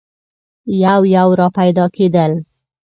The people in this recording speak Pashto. یو یو را پیدا کېدل.